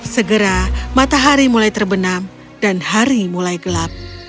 segera matahari mulai terbenam dan hari mulai gelap